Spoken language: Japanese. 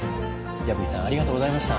矢吹さんありがとうございました。